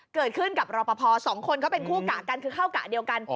เกิดขึ้นกับรอปภสองคนเขาเป็นคู่กะกันคือเข้ากะเดียวกัน